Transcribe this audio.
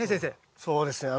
そうですね。